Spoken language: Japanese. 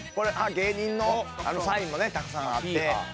「芸人のサインもねたくさんあって」